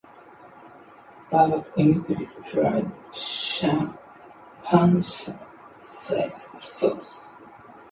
Barbad immediately replied: "Shahanshah saith thus!".